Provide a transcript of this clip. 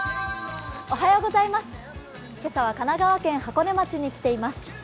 今朝は神奈川県箱根町に来ています。